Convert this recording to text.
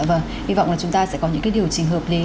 vâng hy vọng là chúng ta sẽ có những điều trình hợp lý